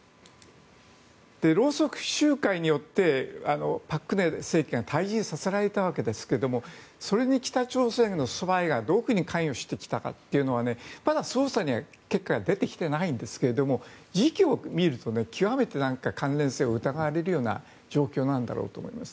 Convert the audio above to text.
ろうそく集会によって朴槿惠政権は退陣させられたわけですがそれに北朝鮮のスパイがどういうふうに関与してきたかというのはまだ捜査には結果には出てきてないんですが時期を見ると極めて関連性を疑われるような状況なんだろうと思います。